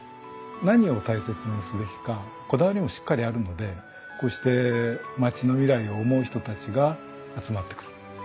何を大切にすべきかこだわりもしっかりあるのでこうして町の未来を思う人たちが集まってくる。